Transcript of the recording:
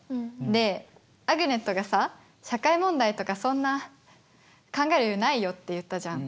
でアグネットがさ社会問題とかそんな考える余裕ないよって言ったじゃん。